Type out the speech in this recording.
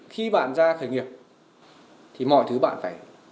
khi bạn ra khởi nghiệp thì mọi thứ bạn phải